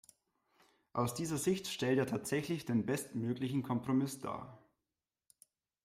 Aus dieser Sicht stellt er tatsächlich den bestmöglichen Kompromiss dar.